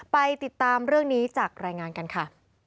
ไปติดตามเรื่องนี้จากรายงานกันค่ะ